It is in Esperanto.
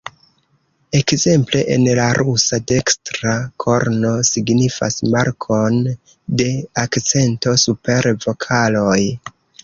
Ekzemple en la rusa dekstra korno signifas markon de akcento super vokaloj.